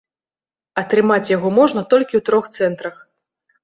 Атрымаць яго можна толькі ў трох цэнтрах.